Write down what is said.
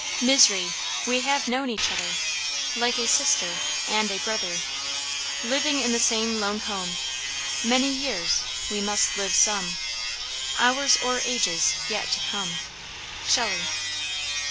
Misery! we have known each other, Like a sister and a brother, Living in the same lone home Many years we must live some Hours or ages yet to come. SHELLEY.